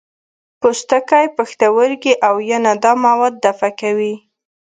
پوستکی، پښتورګي او ینه دا مواد دفع کوي.